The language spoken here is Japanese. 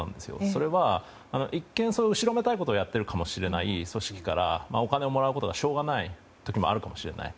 それは一見、後ろめたいことをやっているかもしれない組織からお金をもらうのは仕方ないかもしれない。